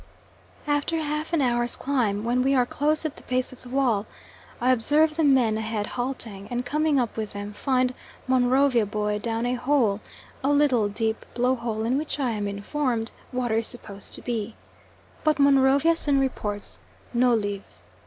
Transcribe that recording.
After half an hour's climb, when we are close at the base of the wall, I observe the men ahead halting, and coming up with them find Monrovia Boy down a hole; a little deep blow hole, in which, I am informed, water is supposed to be. But Monrovia soon reports "No live."